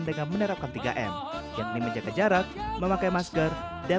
agar kita semakin patuh dengan protokol kesehatan